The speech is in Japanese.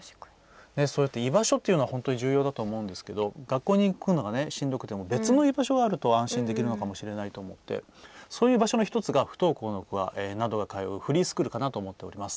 そうやって居場所っていうのは本当に重要だと思うんですけど学校に行くのがしんどくても別の居場所があると安心できるのかもしれないと思ってそういう場所の一つが不登校の子などが通うフリースクールかなと思っております。